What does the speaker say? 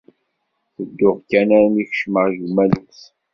Tedduɣ kan armi kecmeɣ ged umalus